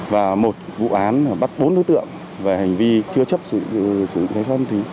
và một vụ án bắt bốn đối tượng về hành vi chưa chấp sự sử dụng trái phép ma túy